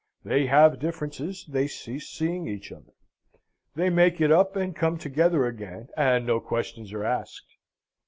They have differences; they cease seeing each other. They make it up and come together again, and no questions are asked.